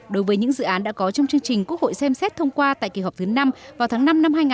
đối với những dự án đã có trong chương trình quốc hội xem xét thông qua tại kỳ họp thứ năm vào tháng năm năm hai nghìn hai mươi